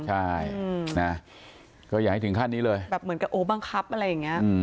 ใช่นะก็อย่าให้ถึงขั้นนี้เลยแบบเหมือนกับโอ้บังคับอะไรอย่างนี้